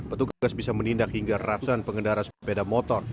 petugas bisa menindak hingga ratusan pengendara sepeda motor